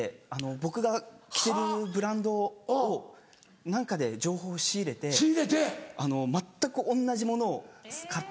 僕が着てるブランドを何かで情報を仕入れて全く同じものを買って。